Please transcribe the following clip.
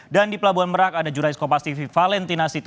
dan di pelabuhan merak ada jurnalis kompas tv valentina